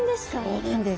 そうなんです。